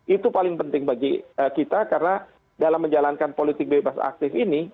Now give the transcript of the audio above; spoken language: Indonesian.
itu paling penting bagi kita karena dalam menjalankan politik bebas aktif ini